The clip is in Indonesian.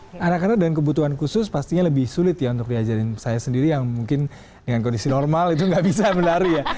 karena dengan kebutuhan khusus pastinya lebih sulit ya untuk diajarin saya sendiri yang mungkin dengan kondisi normal itu gak bisa berlari ya